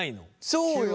そうよね。